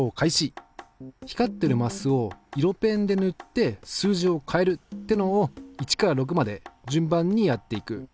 光ってるマスを色ペンで塗って数字を変えるってのを１から６まで順番にやっていく。